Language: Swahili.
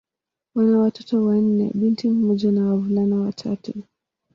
Wana watoto wanne: binti mmoja na wavulana watatu.